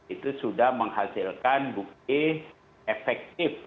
itu sudah menghasilkan bukti efektif